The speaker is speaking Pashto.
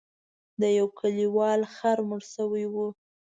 د یو کلیوال خر مړ شوی و.